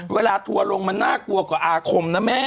ทัวร์ลงมันน่ากลัวกว่าอาคมนะแม่